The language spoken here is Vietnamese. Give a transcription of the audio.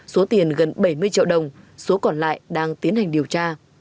số tiền gần bảy mươi triệu đồng số còn lại đang tiến hành điều tra